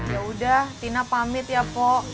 yaudah tina pamit ya po